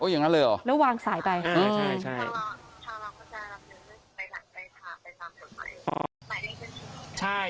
อย่างนั้นเลยเหรอแล้ววางสายไปใช่